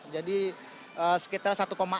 jadi sekitar satu enam